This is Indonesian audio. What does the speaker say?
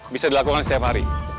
bisa dilakukan setiap hari